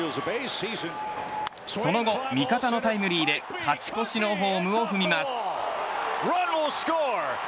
その後、味方のタイムリーで勝ち越しのホームを踏みます。